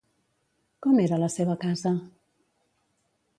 Com era la seva casa?